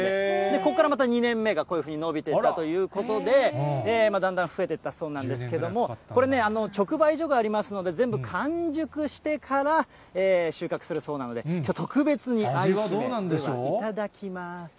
ここからまた２年目がこういうふうにのびていったということで、だんだん増えていったそうなんですけども、これね、直売所がありますので全部完熟してから収穫するそうなので、きょう、特別に愛姫、いただきます。